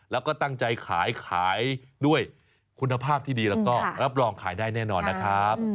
แล้วก็ตั้งใจขายขายด้วยคุณภาพที่ดีแล้วก็รับรองขายได้แน่นอนนะครับ